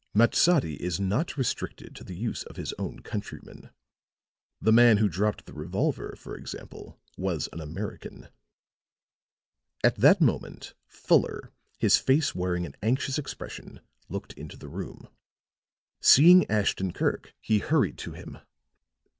Matsadi is not restricted to the use of his own countrymen. The man who dropped the revolver, for example, was an American." At that moment Fuller, his face wearing an anxious expression, looked into the room. Seeing Ashton Kirk he hurried to him.